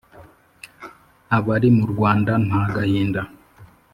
abari mu rwanda nta gahinda